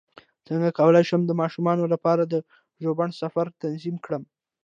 څنګه کولی شم د ماشومانو لپاره د ژوبڼ سفر تنظیم کړم